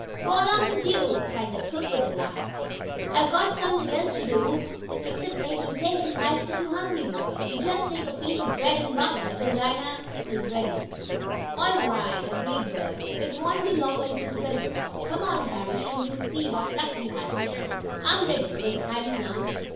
"Go 'long wif yo'!" cried the cook with a laugh. "I'se got suffin else t' do 'cept make cake an' pies fo' two hungry boys. Yo' jest take a piece ob bread an' butter 'till dinnah am ready." "All right," agreed Bert. "It won't be long until twelve o'clock. Come on, Harry, and we'll see what luck we have fishing." "I'm ready," was Harry's answer.